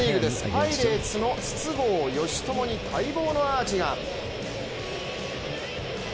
パイレーツの筒香嘉智に待望のアーチが！